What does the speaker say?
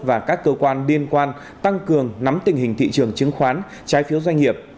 và các cơ quan liên quan tăng cường nắm tình hình thị trường chứng khoán trái phiếu doanh nghiệp